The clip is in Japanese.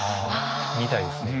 見たいですね。